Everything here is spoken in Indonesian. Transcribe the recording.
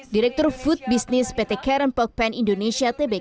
direktur food business pt karen pogpen indonesia